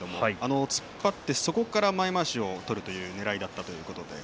突っ張ってそこから前まわしを取るというねらいだったということです。